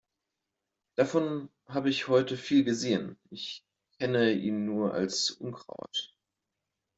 Davon hab ich heute viel gesehen. Ich kenne ihn nur als Unkraut.